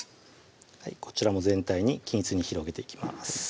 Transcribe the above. こちらも全体に均一に広げていきます